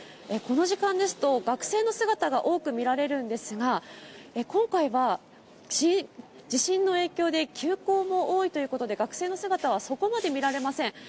この時間ですと学生の姿が多く見られるんですが、今回は地震の影響で休校も多いということで学生の姿はそこまで見られません。